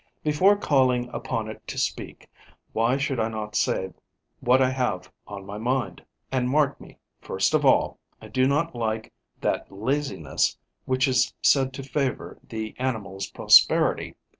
Before calling upon it to speak, why should I not say what I have on my mind? And mark me, first of all, I do not like that laziness which is said to favour the animal's prosperity.